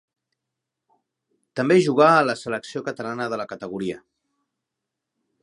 També jugà a la selecció catalana de la categoria.